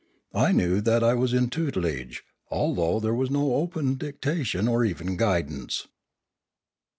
I knew that I was in tutelage, although there was no open dictation or even guidance.